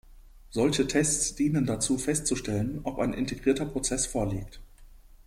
Solche Tests dienen dazu festzustellen, ob ein integrierter Prozess vorliegt.